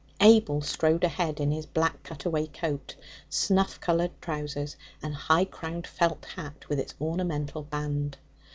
Abel strode ahead in his black cut away coat, snuff coloured trousers, and high crowned felt hat with its ornamental band.